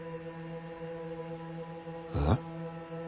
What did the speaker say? あっ？